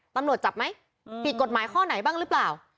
ตำรวจจับไหมผิดกฎหมายข้อไหนบ้างหรือเปล่า